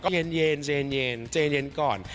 ก็เย็นเย็นเย็นก่อน